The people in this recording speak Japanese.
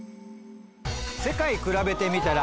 「世界くらべてみたら」